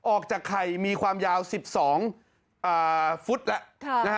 ออกจากไข่มีความยาว๑๒ฟุตแล้ว